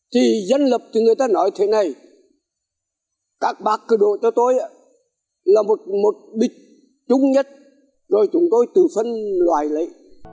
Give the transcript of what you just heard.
thì dân lập thì người ta nói thế này các bác cử đội cho tôi là một bịch chung nhất rồi chúng tôi tự phân loại lại